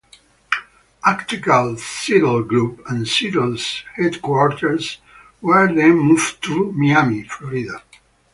Acticall Sitel Group and Sitel's headquarters were then moved to Miami, Florida.